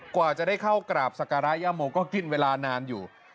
กว่าจะได้เข้ากราบสการะย่าโมก็กินเวลานานอยู่